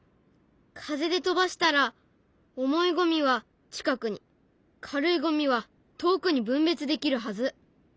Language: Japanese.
風で飛ばしたら重いゴミは近くに軽いゴミは遠くに分別できるはず。